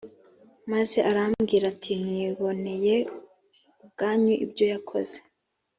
maze arababwira ati «mwiboneye ubwanyu ibyo yakoze,